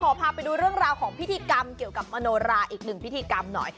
พาไปดูเรื่องราวของพิธีกรรมเกี่ยวกับมโนราอีกหนึ่งพิธีกรรมหน่อย